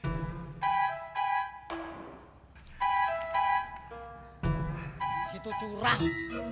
di situ curang